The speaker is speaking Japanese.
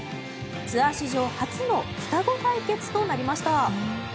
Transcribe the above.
ツアー史上初の双子対決となりました。